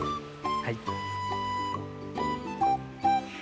はい。